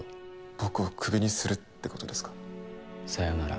僕をクビにするってことですかさよなら